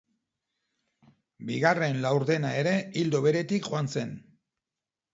Bigarren laurdena ere ildo beretik joan zen.